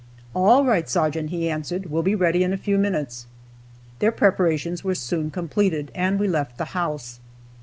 "All right, sergeant," he answered, "we'll be ready in a few minutes." Their preparations were soon completed, and we left the house.